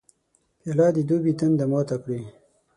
پیاله د دوبي تنده ماته کړي.